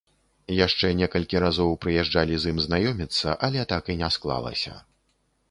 Яшчэ некалькі разоў прыязджалі з ім знаёміцца, але так і не склалася.